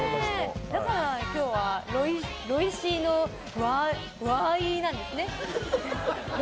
だから今日はロイシーのワーイーなんですね。